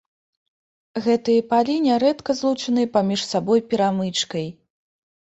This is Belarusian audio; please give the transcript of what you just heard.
Гэтыя палі нярэдка злучаныя паміж сабой перамычкай.